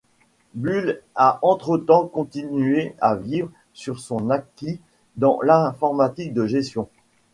Bull a entre-temps continué à vivre sur son acquis dans l'informatique de gestion.